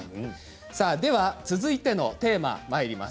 続いてのテーマにまいります。